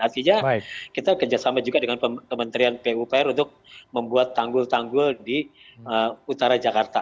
artinya kita kerjasama juga dengan kementerian pupr untuk membuat tanggul tanggul di utara jakarta